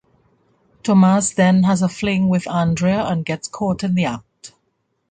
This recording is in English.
Tomas then has a fling with Andrea and gets caught in the act.